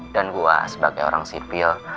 dan gue sebagai orang sipil